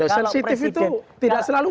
sensitif itu tidak selalu